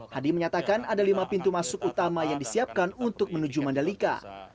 hadi menyatakan ada lima pintu masuk utama yang disiapkan untuk menuju mandalika